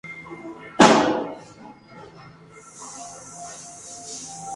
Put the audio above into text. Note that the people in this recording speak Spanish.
La ciudad de Budapest se encuentra rodeada por el condado de Pest.